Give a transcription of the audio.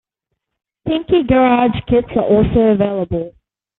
Pinky garage kits are also available.